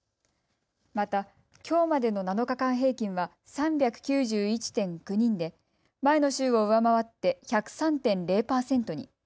また、きょうまでの７日間平均は３９１．９人で前の週を上回って１０３．０％に。